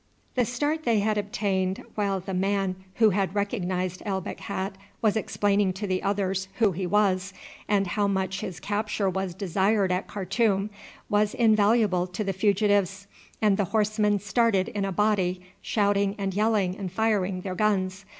The start they had obtained while the man who had recognized El Bakhat was explaining to the others who he was and how much his capture was desired at Khartoum, was invaluable to the fugitives, and the horsemen started in a body, shouting and yelling and firing their guns.